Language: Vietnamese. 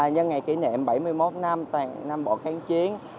nhân ngày kỷ niệm bảy mươi một năm tại nam bộ kháng chiến